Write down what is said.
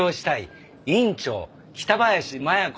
「院長北林麻弥子」